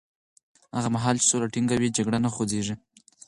هغه مهال چې سوله ټینګه وي، جګړه نه غځېږي.